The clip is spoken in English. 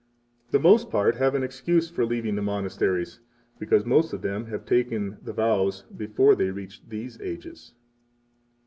The most part have an excuse for leaving the monasteries, because most of them have taken the vows before they reached these ages.